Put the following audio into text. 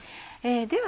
では